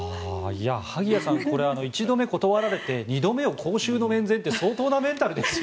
萩谷さん１度目断られて２度目を公衆の面前って相当なメンタルですよね。